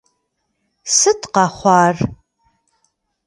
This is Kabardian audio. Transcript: Sıt khexhuar?